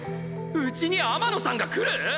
うちに天野さんが来る！？